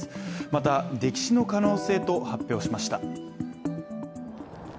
また、溺死の可能性と発表しました。